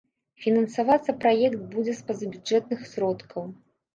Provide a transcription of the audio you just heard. Фінансавацца праект будзе з пазабюджэтных сродкаў.